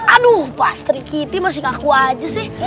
aduh pastri kitty masih ngaku aja sih